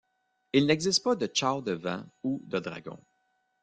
Il n'existe pas de Chow de Vents ou de Dragons.